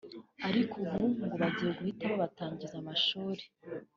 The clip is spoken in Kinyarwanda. ariko ubu ngo bagiye guhita babatangiza amashuri